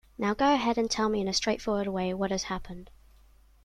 Now go ahead and tell me in a straightforward way what has happened.